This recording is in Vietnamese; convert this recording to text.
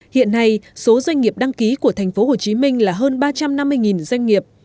hiện nay số doanh nghiệp đăng ký của tp hcm là hơn ba trăm năm mươi doanh nghiệp